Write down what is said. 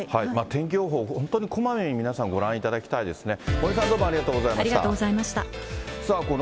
天気予報、本当にこまめに皆さん、ご覧いただきたいですね。